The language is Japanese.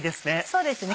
そうですね